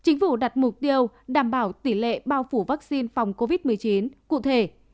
chính phủ đặt mục tiêu đảm bảo tỷ lệ bao phủ vaccine phòng covid một mươi chín cụ thể